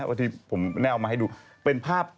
ว่าที่ผมแน่เอามาให้ดูเป็นภาพ